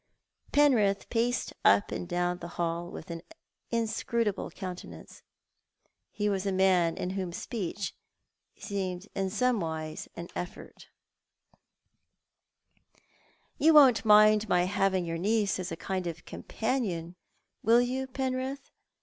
Penrith paced up and down the hall with an inscrutable coxmtenance. He was a man in whom speech seemed in some wise an effort. 1 2 Tho7t ai't the Mail. " You won't mind my hnvins? yonr niece as <a kind of com panion, will you, Penrith?"